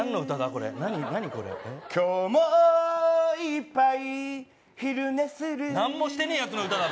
これ何これ今日もいっぱい昼寝する何もしてねえやつの歌だ